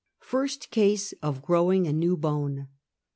FIRST CASE OF GROWING A NEW BONE.